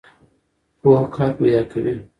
پوهه کار پیدا کوي.